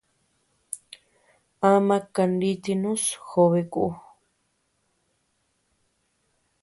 Ama kanitinus jobeku.